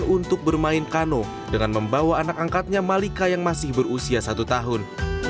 untuk bermain kano dengan membawa anak angkatnya malika yang masih berusia satu tahun